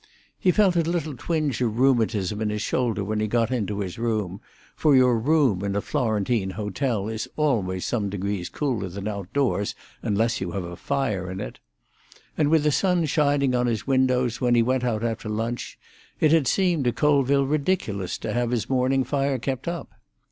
He felt a little twinge of rheumatism in his shoulder when he got into his room, for your room in a Florentine hotel is always some degrees colder than outdoors, unless you have fire in it; and with the sun shining on his windows when he went out after lunch, it had seemed to Colville ridiculous to have his morning fire kept up.